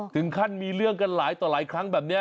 ถึงขั้นมีเรื่องกันหลายต่อหลายครั้งแบบนี้